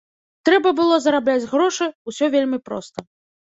Трэба было зарабляць грошы, усё вельмі проста.